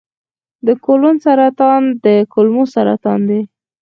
د کولون سرطان د کولمو سرطان دی.